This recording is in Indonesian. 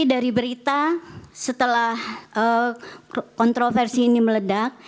dari berita setelah kontroversi ini meledak